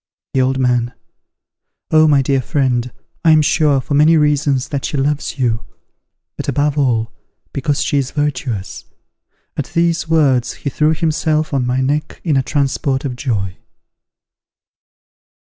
The Old Man. Oh, my dear friend! I am sure, for many reasons, that she loves you; but above all, because she is virtuous. At these words he threw himself on my neck in a transport of joy.